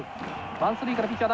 ワンスリーからピッチャー